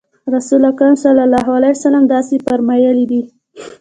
رسول اکرم صلی الله علیه وسلم داسې فرمایلي دي.